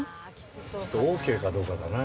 ちょっとオーケーかどうかだな。